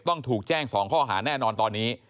ต้องถูกแจ้ง๒ข้อหาแน่นอนตอนนี้